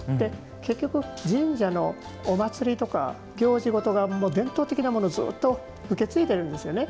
結局、神社のお祭りとか行事ごとが伝統的なものをずっと受け継いでいるんですよね。